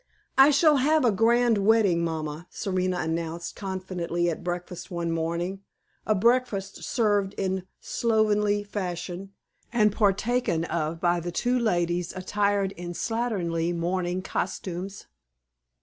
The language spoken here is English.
"I shall have a grand wedding, mamma," Serena announced confidently at breakfast one morning a breakfast served in slovenly fashion, and partaken of by the two ladies attired in slatternly morning costumes.